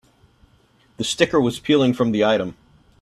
The sticker was peeling from the item.